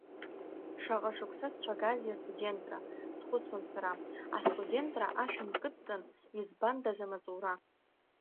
Шаҟа шықәса сцәагазеи астудентра, схәыцуан сара, астудентра ашә нкыдҵан избандаз амаҵура.